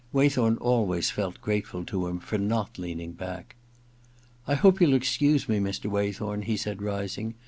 Waythorn always felt grateful to him for not leaning back. *I hope you'll excuse me, Mr. Waythorn,' he said, rising.